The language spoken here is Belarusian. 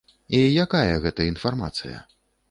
І якая гэта інфармацыя?